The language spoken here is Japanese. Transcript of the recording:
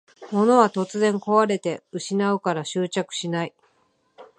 物は突然こわれて失うから執着しない